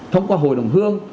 thông qua hội đồng hương